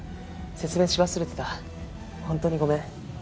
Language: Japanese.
説明し忘れてたほんとにごめん。